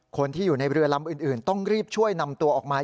คนที่อยู่ในเรือลำอื่นต้องรีบช่วยนำตัวออกมา